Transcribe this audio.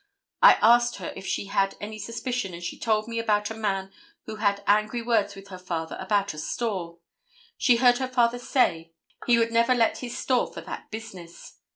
I asked her if she had any suspicion, and she told me about a man who had angry words with her father about a store. She heard her father say he would never let his store for that business.